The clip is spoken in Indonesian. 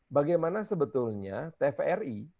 bagaimana sebetulnya tvri